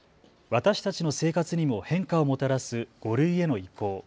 私たちの生活にも変化をもたらす５類への移行。